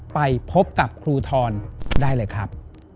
ไปพบกับครูทรได้เลยครับ